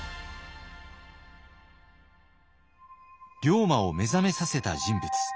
龍馬を目覚めさせた人物。